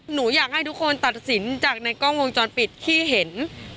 หนูอยากให้ทุกคนตัดสินจากในกล้องวงจรปิดที่เห็น